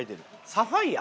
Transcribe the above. サファイア？